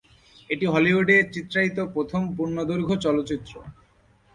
এটি হলিউডে চিত্রায়িত প্রথম পূর্ণদৈর্ঘ্য চলচ্চিত্র।